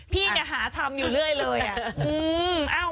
พี่ก็หาทำอยู่เรื่อยเลยเอามา